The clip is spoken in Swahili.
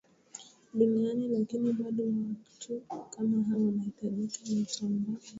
duniani lakini bado watu kama hawa wanahitajika ni mtu ambaye akipeleka nyimbo